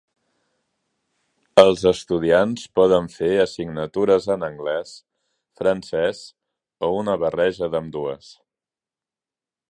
Els estudiants poden fer assignatures en anglès, francès o una barreja d'ambdues.